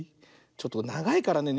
ちょっとながいからね